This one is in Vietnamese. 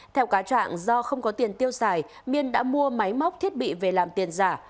theo cá trạng do không có tiền tiêu xài miên đã mua máy móc thiết bị về làm tiền giả